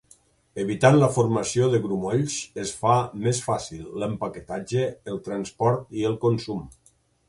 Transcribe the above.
Evitant la formació de grumolls es fa més fàcil l'empaquetatge, el transport i el consum.